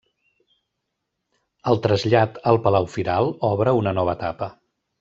El trasllat al palau firal obre una nova etapa.